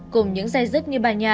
cùng những dây dứt như bà nhà